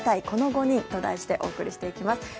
この５人と題してお送りしていきます。